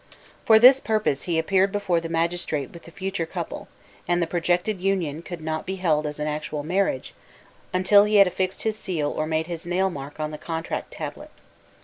For this purpose he appeared before the magistrate with the future couple, and the projected union could not be held as an actual marriage, until he had affixed his seal or made his nail mark on the contract tablet.